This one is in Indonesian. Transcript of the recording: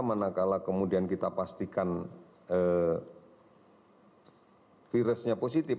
manakala kemudian kita pastikan virusnya positif